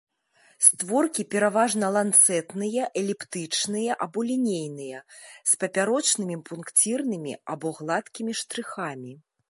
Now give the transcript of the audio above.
Створкі пераважна ланцэтныя, эліптычныя або лінейныя, з папярочнымі пункцірнымі або гладкімі штрыхамі.